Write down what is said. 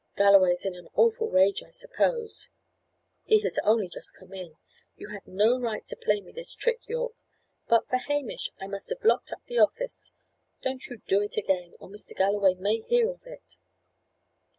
Galloway's in an awful rage, I suppose?" "He has only just come in. You had no right to play me this trick, Yorke. But for Hamish, I must have locked up the office. Don't you do it again, or Mr. Galloway may hear of it."